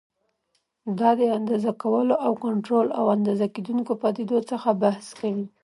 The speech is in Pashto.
دا د اندازې کولو او کنټرول او د اندازه کېدونکو پدیدو څخه بحث کوي.